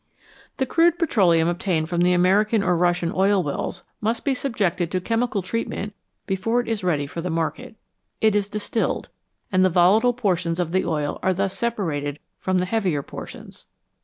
The crude petroleum obtained from the American or Russian oil wells must be subjected to chemical treatment before it is ready for the market. It is distilled, and the volatile portions of the oil are thus separated from the heavier portions.